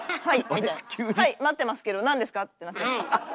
「はい待ってますけど何ですか？」ってなったり。